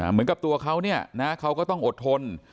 เหมือนกับตัวเขาเนี่ยนะเขาก็ต้องอดทน